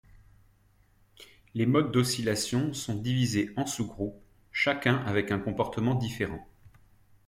Les modes d'oscillations sont divisés en sous-groupes, chacun avec un comportement différent.